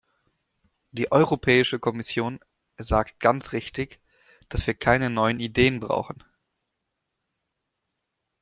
Die Europäische Kommission sagt ganz richtig, dass wir keine neuen Ideen brauchen.